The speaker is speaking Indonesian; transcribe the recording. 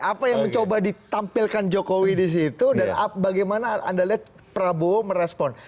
apa yang mencoba ditampilkan jokowi di situ dan bagaimana anda lihat prabowo merespon